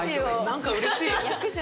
何かうれしい！